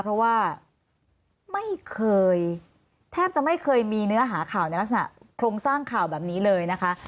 เพราะว่าไม่เคยแทบจะไม่เคยมีเนื้อหาข่าวในลักษณะโครงสร้างข่าวแบบนี้เลยนะคะ